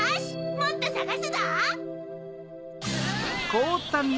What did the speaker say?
もっとさがすぞ！